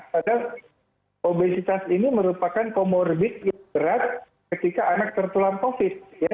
padahal obesitas ini merupakan comorbid yang berat ketika anak tertular covid